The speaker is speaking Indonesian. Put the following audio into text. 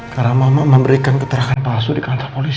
karena mama memberikan ketrakan palsu di kantor polisi